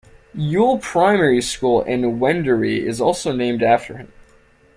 Yuille Primary School in Wendouree is also named after him.